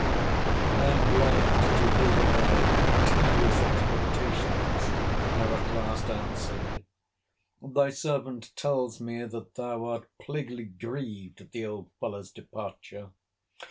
I am glad to hear thy tedious expectations are at last answered. Thy servant tells me that thou are plaguily grieved at the old fellow's departure.